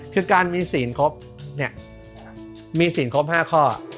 คือการมีศีลครบเนี่ยมีศีลครบ๕ข้อ